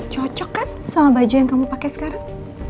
cocok kan sama baja yang kamu pakai sekarang